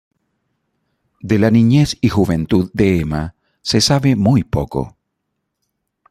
De la niñez y juventud de Emma se sabe muy poco.